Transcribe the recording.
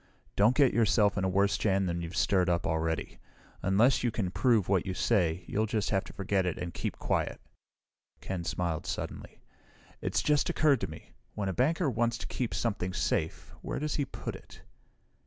"Don't get yourself in a worse jam than you've stirred up already. Unless you can prove what you say, you'll just have to forget it and keep quiet." Ken smiled suddenly. "It just occurred to me when a banker wants to keep something safe, where does he put it?"